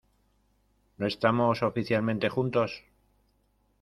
¿ no estamos oficialmente juntos?